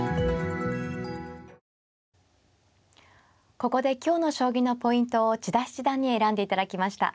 ここで今日の将棋のポイントを千田七段に選んでいただきました。